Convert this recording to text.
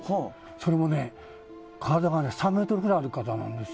それも体が３ｍぐらいあるんです。